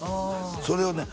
それをね